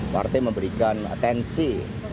berarti memberikan atensi